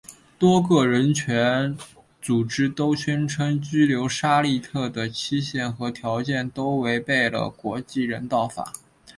多个人权组织都宣称拘留沙利特的期限和条件都违背了国际人道法。